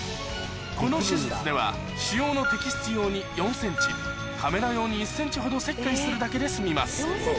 この手術では腫瘍の摘出用に４ｃｍカメラ用に１ｃｍほど切開するだけで済みます